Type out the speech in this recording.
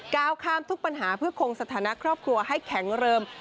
ก้าวข้ามทุกปัญหาเพื่อคงสถานะครอบครัวให้แข็งเริ่ม